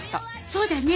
そうだね。